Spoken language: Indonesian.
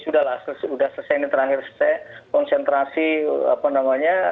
sudah lah sudah selesai ini terakhir saya